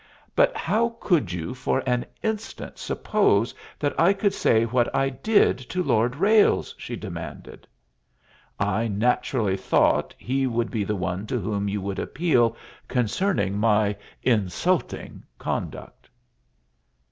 "But how could you for an instant suppose that I could say what I did to Lord Ralles?" she demanded. "I naturally thought he would be the one to whom you would appeal concerning my 'insulting' conduct."